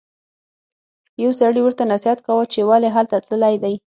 یو سړي ورته نصیحت کاوه چې ولې هلته تللی دی.